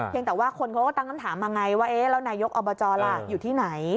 ยังแต่ว่าคนเขาก็ตั้งคำถามมาไงว่าเอ๊ะแล้วนายกอบจล่ะอยู่ที่ไหน